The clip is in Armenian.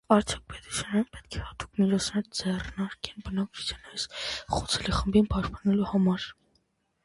Արդյոք պետությունները պե՞տք է հատուկ միջոցներ ձեռնարկեն բնակչության այս խոցելի խմբին պաշտպանելու համար։